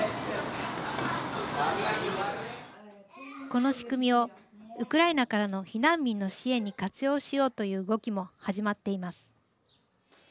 この仕組みをウクライナからの避難民の支援に活用しようという動きも始まっています。